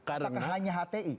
apakah hanya hti